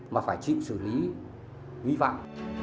mà phải chịu xử lý vi phạm